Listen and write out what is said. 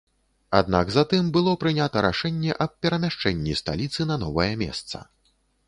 Аднак затым было прынята рашэнне аб перамяшчэнні сталіцы на новае месца.